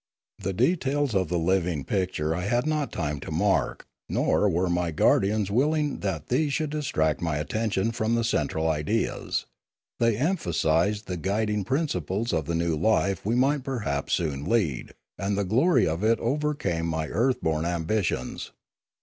The details of the living picture I had not time to mark ; nor were my guard ians willing that these should distract my attention from the central ideas; they emphasised the guiding principles of the new life we might perhaps soon lead, and the glory of it overcame my earth born ambitions.